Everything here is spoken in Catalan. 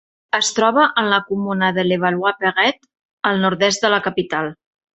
Es troba en la comuna de Levallois-Perret, al nord-oest de la capital.